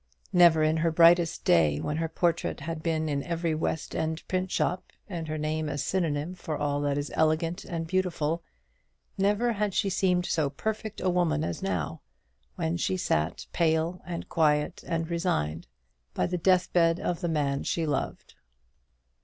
Never in her brightest day, when her portrait had been in every West end print shop, and her name a synonym for all that is elegant and beautiful never had she seemed so perfect a woman as now, when she sat pale and quiet and resigned, by the deathbed of the man she loved.